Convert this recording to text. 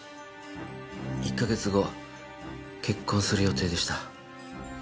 １カ月後結婚する予定でした。